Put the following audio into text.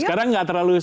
sekarang tidak terlalu